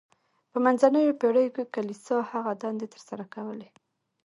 په منځنیو پیړیو کې کلیسا هغه دندې تر سره کولې.